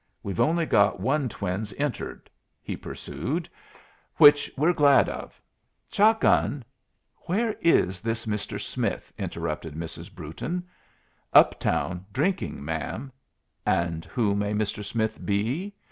We've only got one twins entered," he pursued, "which we're glad of. Shot gun ", "Where is this Mr. Smith?" interrupted Mrs. Brewton. "Uptown, drinking, ma'am." "And who may Mr. Smith be?"